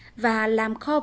để tạo ra một trường hợp